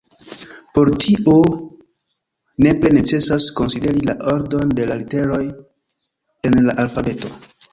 Por tio nepre necesas konsideri la ordon de la literoj en la alfabeto.